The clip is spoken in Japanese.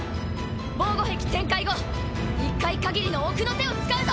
防護壁展開後一回かぎりの奥の手を使うぞ！